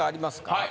はい。